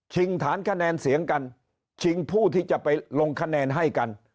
ฐานคะแนนเสียงกันชิงผู้ที่จะไปลงคะแนนให้กัน